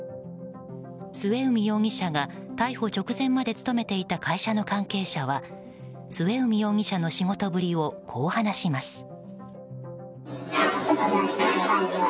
末海容疑者が逮捕直前まで勤めていた会社の関係者は末海容疑者の仕事ぶりをこう話します。